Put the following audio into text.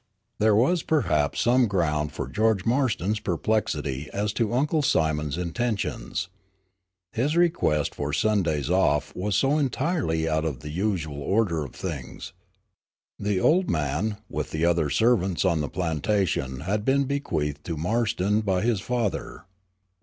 There was perhaps some ground for George Marston's perplexity as to Uncle Simon's intentions. His request for "Sundays off" was so entirely out of the usual order of things. The old man, with the other servants on the plantation had been bequeathed to Marston by his father.